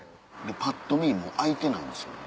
パッと見もう開いてないんですよね。